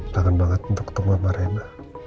tangan banget untuk tunggu marena